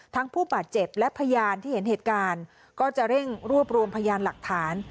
ผู้บาดเจ็บและพยานที่เห็นเหตุการณ์ก็จะเร่งรวบรวมพยานหลักฐาน